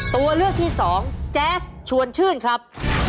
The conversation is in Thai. ตัวเลือกที่สองแจ๊สชวนชื่นครับ